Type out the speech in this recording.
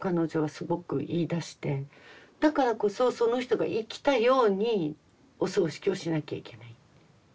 だからこそその人が生きたようにお葬式をしなきゃいけないって。